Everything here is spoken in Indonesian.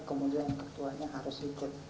kemudian ketuanya harus ikut